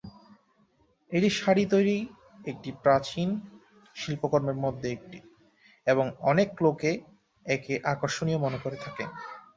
এটি শাড়ি তৈরি একটি প্রাচীন শিল্পকর্মের মধ্যে একটি এবং অনেক লোক একে আকর্ষণীয় মনে করে থাকেন।